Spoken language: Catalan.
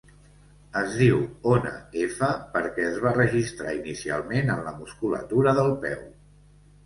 Es diu ona F perquè es va registrar inicialment en la musculatura del peu.